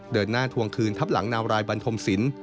เดินหน้าทวงคืนทับหลังนาวรายบันทมศิลป